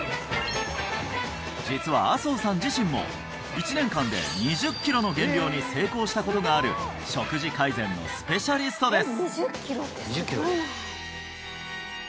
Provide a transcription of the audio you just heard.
実は麻生さん自身も１年間で２０キロの減量に成功したことがある食事改善のスペシャリストです